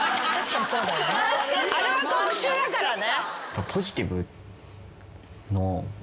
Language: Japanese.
あれは特殊だからね。